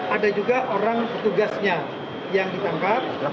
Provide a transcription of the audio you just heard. ada juga orang petugasnya yang ditangkap